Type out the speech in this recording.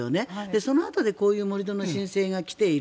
そのあとでこういう盛り土の申請が来ている。